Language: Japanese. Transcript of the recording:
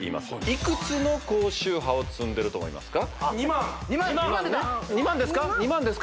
いくつの高周波を積んでると思いますか？